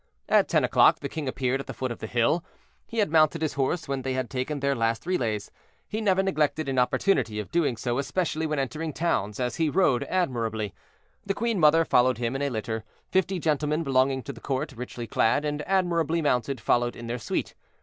At ten o'clock the king appeared at the foot of the hill; he had mounted his horse when they had taken their last relays. He never neglected an opportunity of doing so, especially when entering towns, as he rode admirably. The queen mother followed him in a litter; fifty gentlemen belonging to the court, richly clad and admirably mounted, followed in their suite.